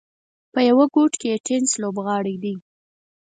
په یوه ګوټ کې یې د ټېنس لوبغالی دی.